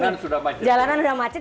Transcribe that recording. karena jalanan sudah macet